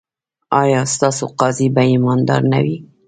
ایا ستاسو قاضي به ایماندار نه وي؟